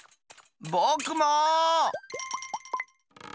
ぼくも！